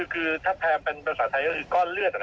คือถ้าแพงเป็นภาษาไทยก็คือก้อนเลือด